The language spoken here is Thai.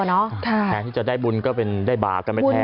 แทนที่จะได้บุญก็เป็นได้บาปกันไปแท้